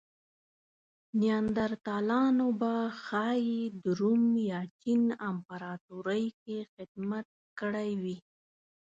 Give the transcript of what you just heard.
نیاندرتالانو به ښايي د روم یا چین امپراتورۍ کې خدمت کړی وی.